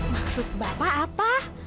maksud bapak apa